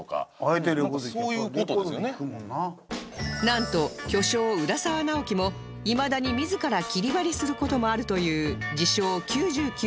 なんと巨匠浦沢直樹もいまだに自ら切り貼りする事もあるという自称９９パーセント